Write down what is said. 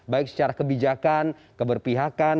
baik secara kebijakan keberpihakan